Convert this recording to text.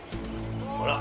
ほら！